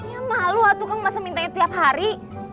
ya malu atuh kang masa mintanya tiap hari